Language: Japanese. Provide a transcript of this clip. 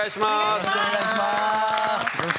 よろしくお願いします。